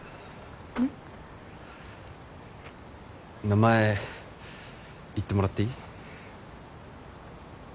名前言ってもらっていい？